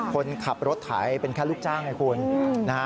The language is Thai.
คนขับรถไถเป็นแค่ลูกจ้างไงคุณนะฮะ